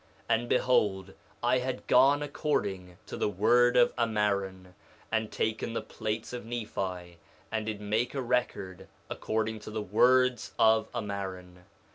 And behold I had gone according to the word of Ammaron, and taken the plates of Nephi, and did make a record according to the words of Ammaron.